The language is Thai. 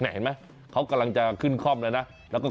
เห็นไหมเขากำลังจะขึ้นคล่อมแล้วนะ